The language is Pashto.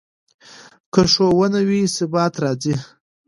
که ښوونه وي، ثبات راځي.